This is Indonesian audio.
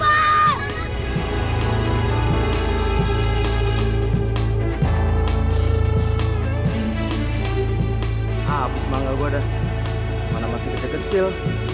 habis manggel gua dah mana masih kecil